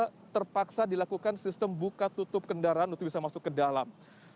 sehingga terpaksa dilakukan sistem buka tutup kendaraan untuk bisa masuk ke dalam